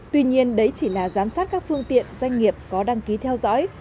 tuy nhiên đấy chỉ là giám sát các phương tiện doanh nghiệp có đăng ký theo dõi